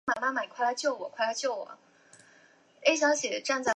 前身为清朝淡水厅儒学学宫。